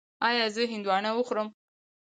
ایا زه هندواڼه وخورم؟